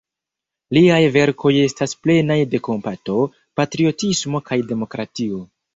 Liaj verkoj estas plenaj de kompato, patriotismo kaj demokratio.